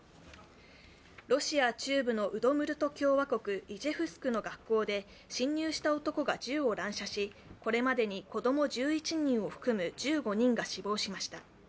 ロシア中部のウドムルト共和国イジェフスクの学校で侵入した男が銃を乱射しこれまでに子供１１人を含む１５人が死亡しました。